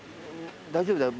大丈夫だよ。